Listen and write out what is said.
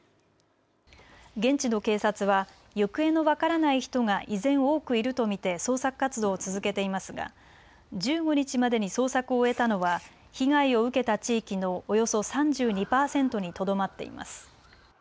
現地の警察は行方の分からない人が依然多くいると見て捜索活動を続けていますが１５日までに捜索を終えたのは被害を受けた地域のおよそ３２％にとどまっています。